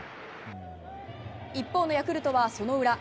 一方のヤクルトはその裏。